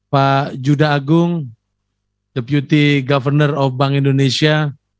pak juda agung deputi governor of bank indonesia